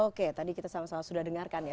oke tadi kita sama sama sudah dengarkan ya